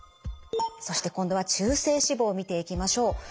そして今度は中性脂肪見ていきましょう。